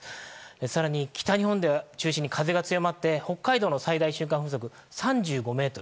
更に、北日本を中心に風が強まって北海道の最大瞬間風速３５メートル。